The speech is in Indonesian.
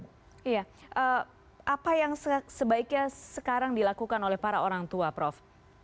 iya apa yang sebaiknya sekarang dilakukan oleh para orang tua prof